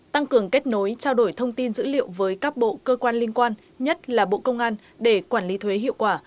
tăng cường kết nối trao đổi thông tin dữ liệu với các bộ cơ quan liên quan nhất là bộ công an để quản lý thuế hiệu quả